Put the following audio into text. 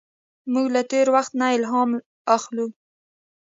موږ له تېر وخت نه الهام اخلو.